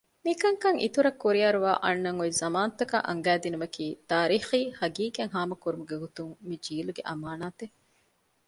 މިކަންކަން އިތުރަށް ކުރިއަރުވައި އަންނަން އޮތް ޒަމާންތަކަށް އަންގައިދިނުމަކީ ތާރީޚީ ޙަޤީޤަތް ހާމަކުރުމުގެ ގޮތުން މި ޖީލުގެ އަމާނާތެއް